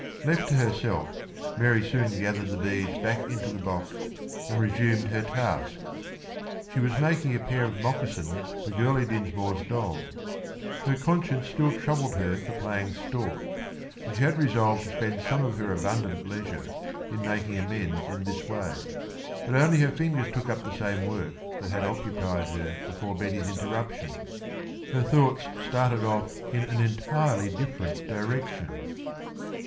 Left to herself, Mary soon gathered the beads back into the box and resumed her task. She was making a pair of moccasins for Girlie Dinsmore's doll. Her conscience still troubled her for playing stork, and she had resolved to spend some of her abundant leisure in making amends in this way. But only her fingers took up the same work that had occupied her before Betty's interruption. Her thoughts started off in an entirely different direction.